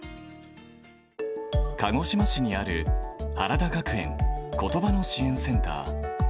鹿児島市にある原田学園ことばの支援センター。